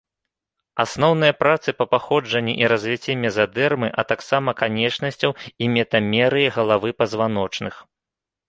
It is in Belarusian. Асноўныя працы па паходжанні і развіцці мезадэрмы, а таксама канечнасцяў і метамерыі галавы пазваночных.